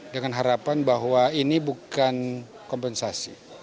dengan harapan bahwa ini bukan kompensasi